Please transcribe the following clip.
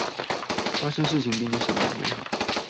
發現事情比你想的美好